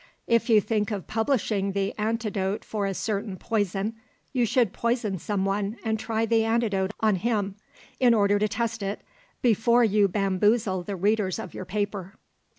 If you think of publishing the antidote for a certain poison, you should poison some one and try the antidote on him, in order to test it, before you bamboozle the readers of your paper.